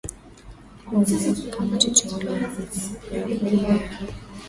kuwa ni ile kamati teule ya bunge ya